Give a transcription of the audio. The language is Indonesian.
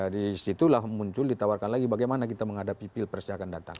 di situlah muncul ditawarkan lagi bagaimana kita menghadapi pil persiakan datang